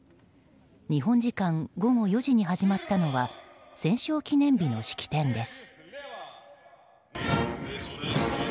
日本時間午後４時に始まったのは戦勝記念日の式典です。